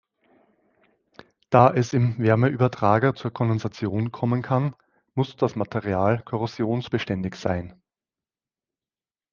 Da es im Wärmeübertrager zur Kondensation kommen kann, muss das Material korrosionsbeständig sein.